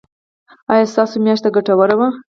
ایا ستاسو میاشت ګټوره وه؟